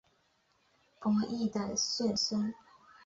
伯益的玄孙。